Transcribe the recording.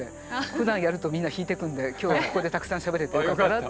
ふだんやるとみんな引いてくんで今日ここでたくさんしゃべれてよかったなって。